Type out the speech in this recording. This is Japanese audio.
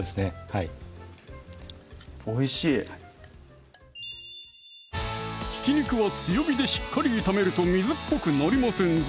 はいおいしいひき肉は強火でしっかり炒めると水っぽくなりませんぞ